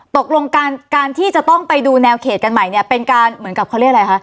ตกลงการการที่จะต้องไปดูแนวเขตกันใหม่เนี่ยเป็นการเหมือนกับเขาเรียกอะไรคะ